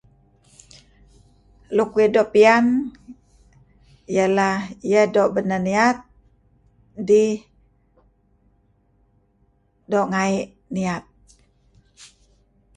Luk uih doo' piyan ialah iah doo' beneh niat dih doo' ngaey niat.